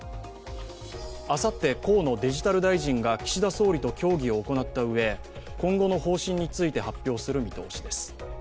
あさって河野デジタル大臣が岸田総理と協議を行ったうえ今後の方針について発表する見通しです。